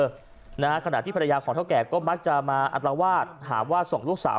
ขนาดที่ภรรยาของเท่าแก่ก็มักจะมาอัตลวาดหาว่า